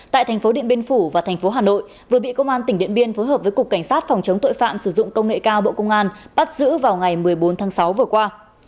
tại thành phố điện biên phủ và thành phố hà nội vừa bị công an tỉnh điện biên phối hợp với cục cảnh sát phòng chống tội phạm sử dụng công nghệ cao bộ công an bắt giữ vào ngày một mươi bốn tháng sáu vừa qua